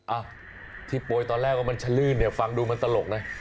อ่ะที่โปรยตอนแรกว่ามันชะลื่นเนี่ยฟังดูมันตลกนะ